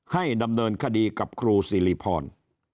ให้ดำเนินคดีกับครูสิริพร